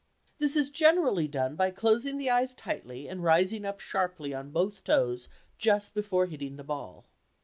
This is generally done by closing the eyes tightly and rising up sharply on both toes just before hitting the ball.